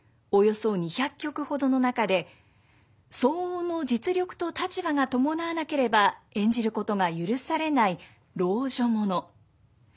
およそ２００曲ほどの中で相応の実力と立場が伴わなければ演じることが許されない老女物。